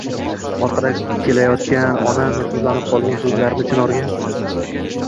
Orqada kelayotgan ona nursizlanib qolgan ko’zlarini chinorga